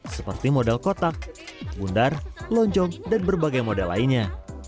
seperti modal kotak bundar loncok dan berbagai modal lainnya